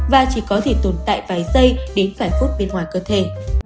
và chỉ có thể tồn tại vài giây đến vài phút bên ngoài cơ thể